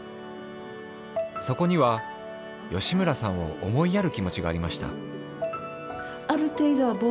そこには吉村さんを思いやる気持ちがありました。